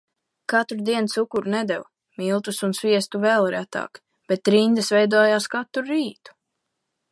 Katru dienu cukuru nedeva. Miltus un sviestu vēl retāk. Bet rindas veidojās katru rītu.